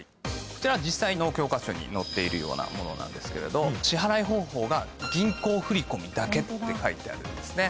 こちら実際の教科書に載っているようなものなんですけれど支払い方法が銀行振り込みだけって書いてあるんですね。